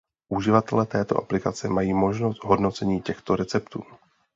Uživatelé této aplikace mají možnost hodnocení těchto receptů.